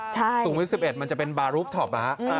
สุขุมวิทย์๑๑มันจะเป็นบาร์รูปทอปนะคะ